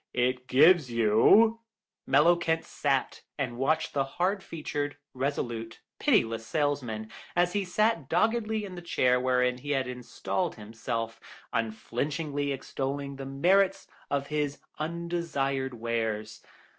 If gives you—" Mellowkent sat and watched the hard featured, resolute, pitiless salesman, as he sat doggedly in the chair wherein he had installed himself, unflinchingly extolling the merits of his undesired wares.